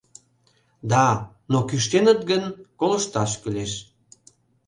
Да, но кӱштеныт гын, колышташ кӱлеш.